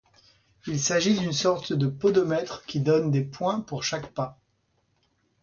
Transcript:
Il s'agit d'une sorte de podomètre, qui donne des points pour chaque pas.